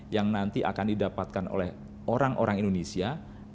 yang nanti akan didapatkan oleh orang orang indonesia